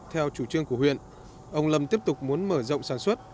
theo chủ trương của huyện ông lâm tiếp tục muốn mở rộng sản xuất